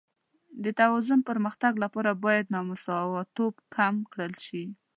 د متوازن پرمختګ لپاره باید نامساواتوب کم کړل شي.